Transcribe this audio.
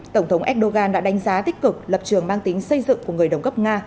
tổng thống erdogan đã đánh giá tích cực lập trường mang tính xây dựng của người đồng cấp nga